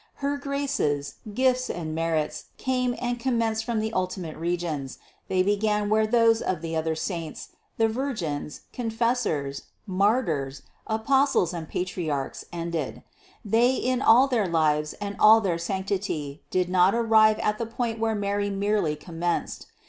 Her graces, gifts and merits came and commenced from the ultimate regions, they began where those of the other saints, the Virgins, Confessors, Martyrs, Apostles and Patri archs ended : they in all their lives and all their sanctity did not arrive at the point where Mary merely com menced.